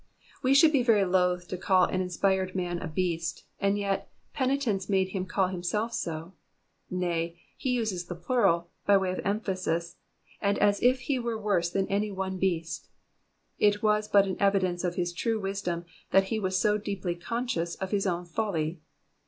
We should be very loth to call an inspired man a beast, and yet, penitence made him call himself so ; nay, he uses the plural, by way of emphasis, and as if he were worse than any one beast. It was but an evidence of his true wisdom that he was so deeply con scious of his own folly.